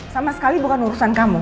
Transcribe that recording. sama sekali bukan urusan kamu